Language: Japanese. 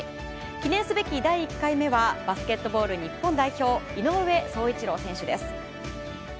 記念すべき第１回目はバスケットボール日本代表井上宗一郎選手です。